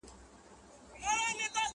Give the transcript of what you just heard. o چي پر موږ ئې وار راغی، بيا ئې پلار راغی!